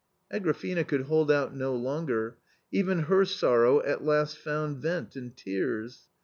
Agrafena could hold out no longer ; even her sorrow at last found vent in tears.